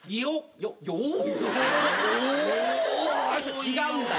違うんだよ。